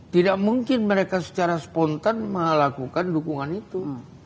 tidak mungkin mereka secara spontan melakukan dukungan itu